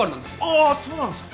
ああっそうなんですか？